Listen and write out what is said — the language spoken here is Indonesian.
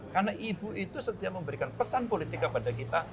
karena ibu itu setiap memberikan pesan politika pada kita